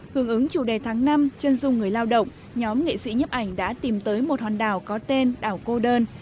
hướng ứng chủ đề tháng năm chân dung người lao động nhóm nghệ sĩ nhấp ảnh đã tìm tới một hòn đảo có tên đảo cô đơn